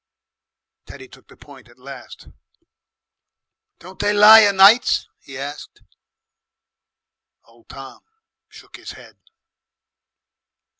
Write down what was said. Teddy took the point at last. "Don't they lie o' nights?" he asked. Old Tom shook his head.